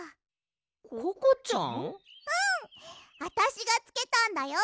うんあたしがつけたんだよ。